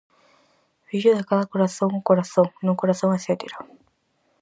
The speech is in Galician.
Fixo de cada corazón o corazón, non corazón etcétera.